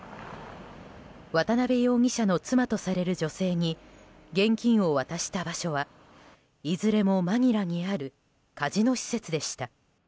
渡邉容疑者の妻とされる女性に現金を渡した場所はいずれもマニラにあるカジノ施設でした。